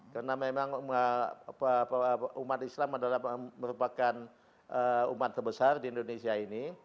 karena memang umat islam merupakan umat terbesar di indonesia ini